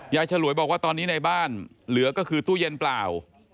ฉลวยบอกว่าตอนนี้ในบ้านเหลือก็คือตู้เย็นเปล่า